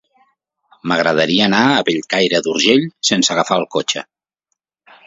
M'agradaria anar a Bellcaire d'Urgell sense agafar el cotxe.